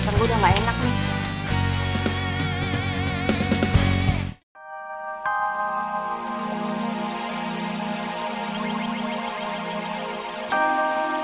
rasanya gue udah gak enak nih